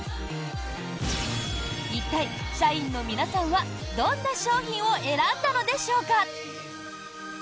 一体、社員の皆さんはどんな商品を選んだのでしょうか？